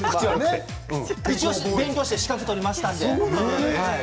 勉強して資格を取りましたんで。